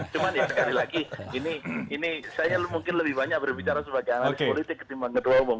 cuman ya sekali lagi ini saya mungkin lebih banyak berbicara sebagai analis politik ketimbang ketua umum